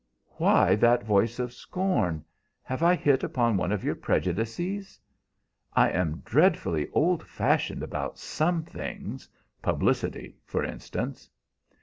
"Why that voice of scorn? Have I hit upon one of your prejudices?" "I am dreadfully old fashioned about some things publicity, for instance."